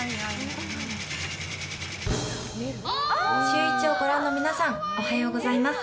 シューイチをご覧の皆さん、おはようございます。